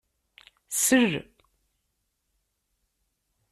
Sel!